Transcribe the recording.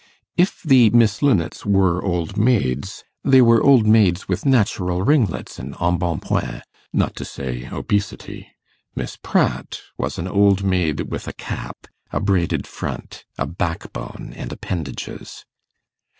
If the Miss Linnets were old maids, they were old maids with natural ringlets and embonpoint, not to say obesity; Miss Pratt was an old maid with a cap, a braided 'front', a backbone and appendages.